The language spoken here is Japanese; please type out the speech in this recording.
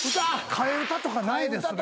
替え歌とかないですね。